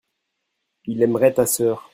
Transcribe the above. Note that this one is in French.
il aimerait ta sœur.